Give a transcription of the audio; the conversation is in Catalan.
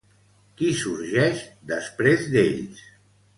Qui sorgeix després d'ells?